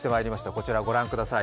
こちらご覧ください。